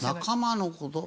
仲間の事。